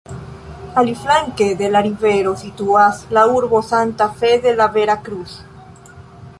Aliflanke de la rivero situas la urbo Santa Fe de la Vera Cruz.